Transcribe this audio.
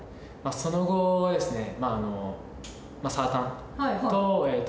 その後はですね。